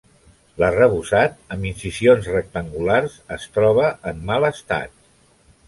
L'arrebossat, amb incisions rectangulars, es troba en mal estat.